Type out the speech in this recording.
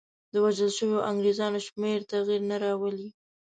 د وژل شویو انګرېزانو شمېر تغییر نه راولي.